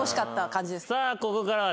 さあここからは。